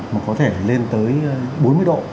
mà có thể lên tới bốn mươi độ